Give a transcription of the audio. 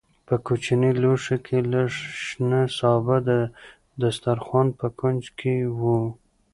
په کوچني لوښي کې لږ شنه سابه د دسترخوان په کونج کې وو.